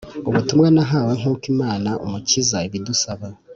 ubutumwa nahawe nk uko Imana Umukiza ibidusaba